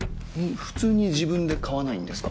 普通に自分で買わないんですか？